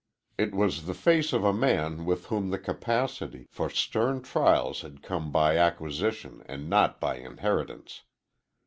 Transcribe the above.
It was the face of a man with whom the capacity, for stern trials had come by acquisition and not by inheritance.